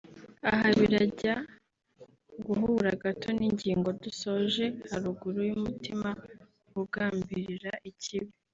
Aha birajya guhura gato n’ingingo dusoje haruguru y’umutima ugambirira ikibi